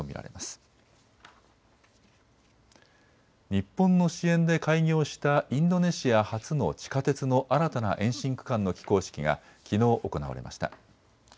日本の支援で開業したインドネシア初の地下鉄の新たな延伸区間の起工式がきのう行われました。